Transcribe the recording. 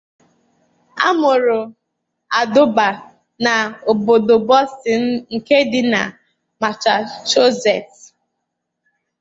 Amụrụ Adụba na Obodo Boston nke di na Massachusetts.